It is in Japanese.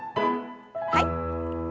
はい。